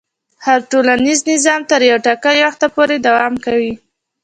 هر ټولنیز نظام تر یو ټاکلي وخته پورې دوام کوي.